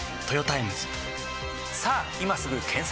さぁ今すぐ検索！